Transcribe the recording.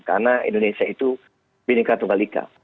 karena indonesia itu binikra tunggal ika